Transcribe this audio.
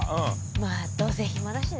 まあどうせ暇だしね。